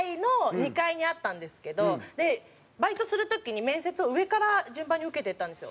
バイトする時に面接を上から順番に受けていったんですよ。